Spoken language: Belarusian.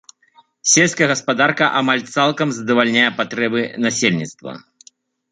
Сельская гаспадарка амаль цалкам задавальняе патрэбы насельніцтва.